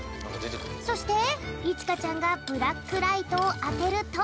そしていちかちゃんがブラックライトをあてると。